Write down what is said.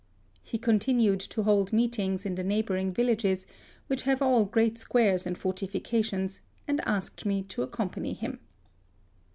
He continued to hold meetings in the neighbouring villages, which have all great squares and fortifications, and asked me to accompany him.